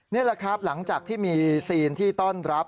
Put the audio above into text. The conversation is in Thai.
นี่แหละครับหลังจากที่มีซีนที่ต้อนรับ